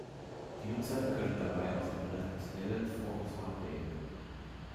Die Nutzer können dabei aus einer redaktionellen Vorauswahl wählen.